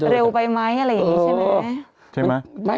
เร็วไปไหมอะไรอย่างนี้ใช่ไหม